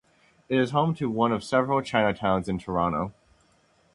It is home to one of several Chinatowns in Toronto.